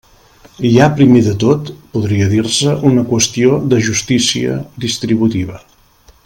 Hi ha primer de tot, podria dir-se, una qüestió de justícia distributiva.